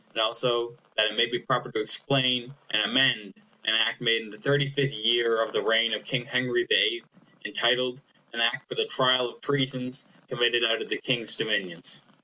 And also that it may be proper to explain and amend an Act made in the thirty fifth year of the reign of King Henry the Eighth, entitled, An Act for the Trial of Treasons committed out of the King's Dominions."